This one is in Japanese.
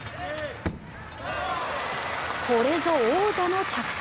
これぞ、王者の着地！